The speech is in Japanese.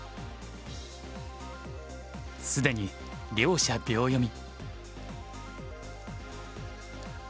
既に両者秒読み。